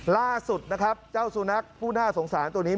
ล่าสุดนะครับเจ้าสุนัขผู้น่าสงสารตัวนี้